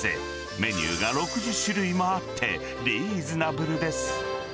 メニューが６０種類もあって、リーズナブルです。